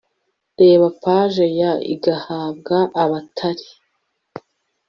reba paje ya igahabwa abatari